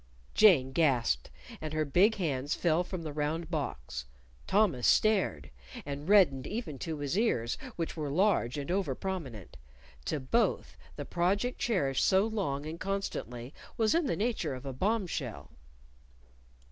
Jane gasped, and her big hands fell from the round box. Thomas stared, and reddened even to his ears, which were large and over prominent. To both, the project cherished so long and constantly was in the nature of a bombshell.